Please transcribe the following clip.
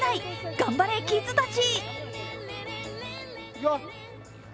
頑張れキッズたち！